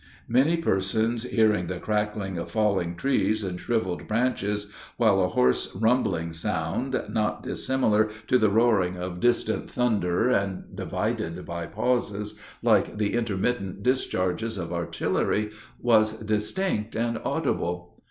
Many persons heard the crackling of falling trees and shriveled branches, while a hoarse rumbling noise, not dissimilar to the roaring of distant thunder, and divided by pauses, like the intermittent discharges of artillery, was distinct and audible.